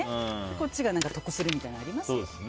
こっちが得するみたいなのありますね。